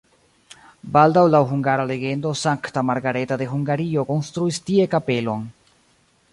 Baldaŭ laŭ hungara legendo Sankta Margareta de Hungario konstruis tie kapelon.